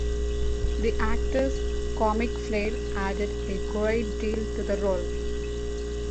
The actor's 'comic flair added a great deal to the role.